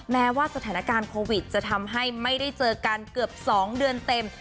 แม้ว่าสถานการณ์โควิดจะทำให้ไม่ได้เจอกันเกือบ๒เดือนเต็ม